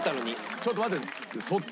ちょっと待ってそっと。